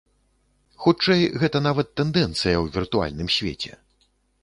Хутчэй, гэта нават тэндэнцыя ў віртуальным свеце.